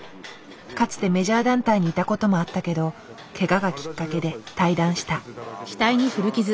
かつてメジャー団体にいた事もあったけどケガがきっかけで退団した。